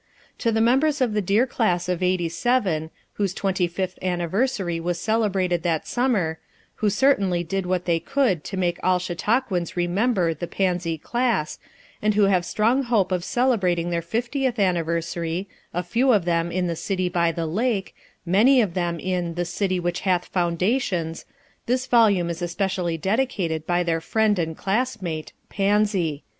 To the members of the dear class of '87, whose twenty fifth anniversary was celebrated that summer,— who certainly did what they FOREWORD could to make all Chautauquans remember "The Pansy Class" and who have strong hope of celebrating their fiftieth anniversary, a few of them in the " city by the lake," many of them in the "City which hath foundations" this volume is especially dedicated by their friend and class mate, Pansy.